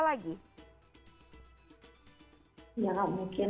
bagaimana menurut kalian